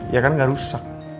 ya kan nggak rusak